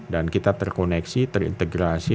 dan kita terkoneksi terintegrasi